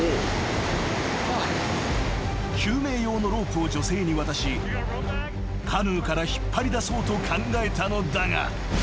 ［救命用のロープを女性に渡しカヌーから引っ張りだそうと考えたのだが］